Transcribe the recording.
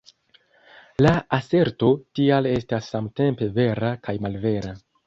La aserto tial estas samtempe vera kaj malvera”.